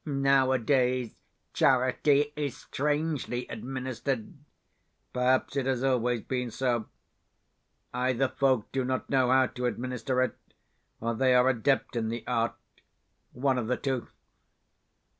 Nowadays charity is strangely administered. Perhaps it has always been so. Either folk do not know how to administer it, or they are adept in the art one of the two.